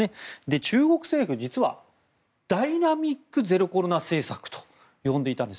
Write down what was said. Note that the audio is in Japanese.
中国政府、実はダイナミックゼロコロナ政策と呼んでいたんです。